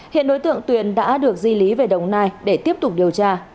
hiện đối tượng tuyền đã được di lý về đồng nai để tiếp tục điều tra